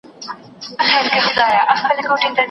قام ته د منظور پښتین ویاړلې ابۍ څه وايي